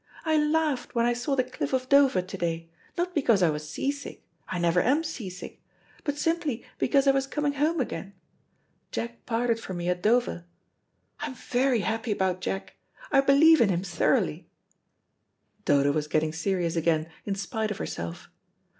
"I laughed when I saw the cliff of Dover to day, not because I was sea sick I never am sea sick but simply because I was coming home again. Jack parted from me at Dover. I am very happy about Jack. I believe in him thoroughly." Dodo was getting serious again in spite of herself.